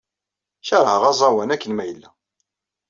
Keṛheɣ aẓawan akken ma yella.